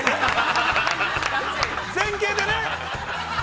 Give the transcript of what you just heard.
◆前傾でね。